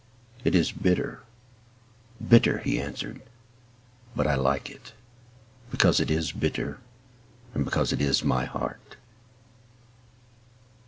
"It is bitter bitter," he answered; "But I like it Because it is bitter, And because it is my heart."